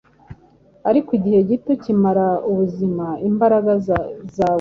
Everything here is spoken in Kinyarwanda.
Ariko igihe gito kimara ubuzima-imbaraga zawe